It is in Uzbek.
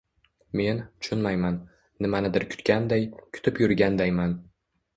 Men… tushunmayman, nimanidir kutganday, kutib yurgandayman.